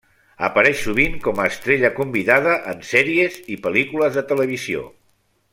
Apareix sovint com a estrella convidada en sèries i pel·lícules de televisió.